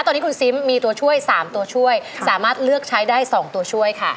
ตอนนี้คุณซิมมีตัวช่วย๓ตัวช่วยสามารถเลือกใช้ได้๒ตัวช่วยค่ะ